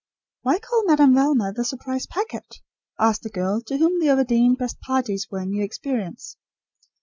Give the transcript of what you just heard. "Why call Madame Velma the `surprise packet'?" asked a girl, to whom the Overdene "best parties" were a new experience.